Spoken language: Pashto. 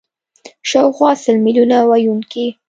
شاوخوا سل میلیونه ویونکي